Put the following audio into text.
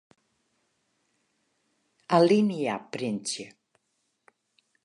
Alinea printsje.